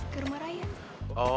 ke rumah raya